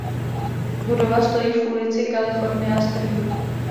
Budova stojí v ulici California Street.